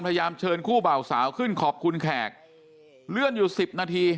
พยายามเชิญคู่เบาสาวขึ้นขอบคุณแขกเลื่อนอยู่สิบนาที